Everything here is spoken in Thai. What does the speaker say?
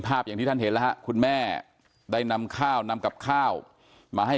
อย่างที่ท่านเห็นแล้วฮะคุณแม่ได้นำข้าวนำกับข้าวมาให้